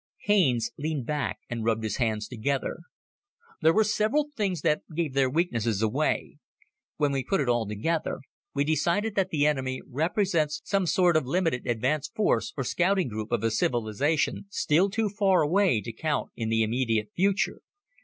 Haines leaned back and rubbed his hands together. "There were several things that gave their weaknesses away. When we put it all together, we decided that the enemy represents some sort of limited advanced force or scouting group of a civilization still too far away to count in the immediate future.